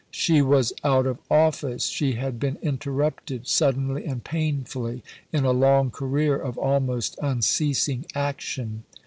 She was "out of office"; she had been interrupted, suddenly and painfully, in a long career of almost unceasing action.